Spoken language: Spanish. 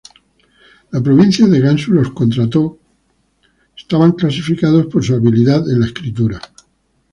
La provincia de Gansu contrató, clasificados por su habilidad de escritura.